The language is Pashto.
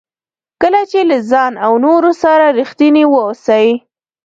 کله چې له ځان او نورو سره ریښتیني واوسئ.